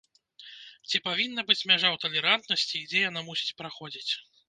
Ці павінна быць мяжа ў талерантнасці і дзе яна мусіць праходзіць?